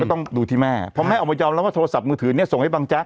ก็ต้องดูที่แม่ครับพอแม่ออกมาจำแล้วว่าโทรศัพท์มือถือนี่ส่งให้บังจักร